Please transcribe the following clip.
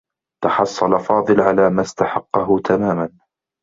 تحصّل فاضل على ما استحقّه تماما.